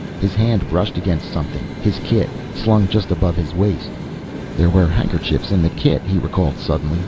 His hand brushed against something his kit, slung just above his waist. There were handkerchiefs in the kit, he recalled suddenly.